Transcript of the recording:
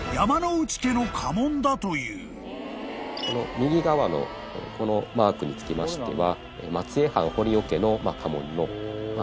右側のこのマークにつきましては。